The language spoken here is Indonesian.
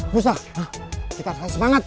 bisa kita harus semangat